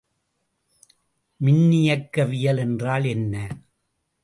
மின்னியக்கவியல் என்றால் என்ன?